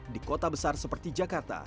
di kota besar seperti jakarta